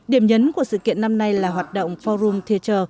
điểm nhấn của sự kiện năm nay là hoạt động forum tater